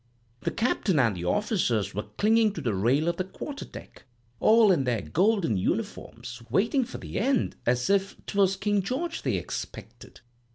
The captain an' the officers were clinging to the rail of the quarterdeck, all in their golden uniforms, waiting for the end as if 'twas King George they expected.